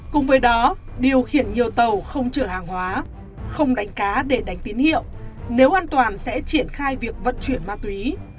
cùng với đó điều khiển nhiều tàu không chở hàng hóa không đánh cá để đánh tín hiệu nếu an toàn sẽ triển khai việc vận chuyển ma túy